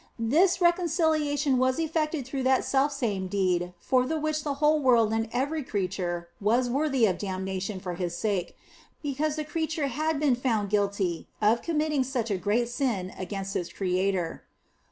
This reconciliation was effected through that self same deed for the which the whole world and every creature was worthy of damnation for His sake, because the creature had been found guilty of committing such a great sin against its creator.